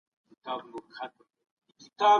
هلته پاس چي په سپوږمـۍ كــي